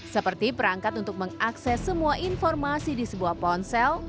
seperti perangkat untuk mengakses semua informasi di sebuah ponsel